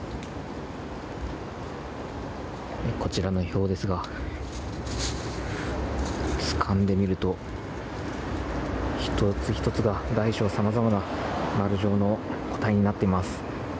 こちらのひょうですがつかんでみると一つ一つが、大小さまざまな丸状の固体になっています。